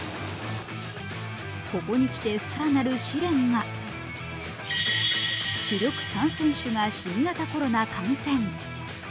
ここにきて、更なる試練が主力３選手が新型コロナ感染。